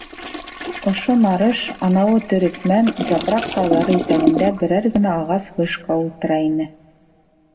Ошо Нарыш, анауы Төрөкмән, Япраҡ тауҙары итәгендә берәр генә ағас вышка ултыра ине.